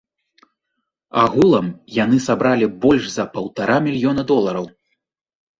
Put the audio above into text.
Агулам яны сабралі больш за паўтара мільёна долараў.